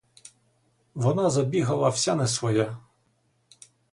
Вона забігала вся не своя.